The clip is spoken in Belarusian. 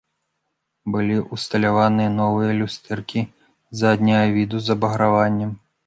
Былі ўсталяваныя новыя люстэркі задняга віду з абаграваннем.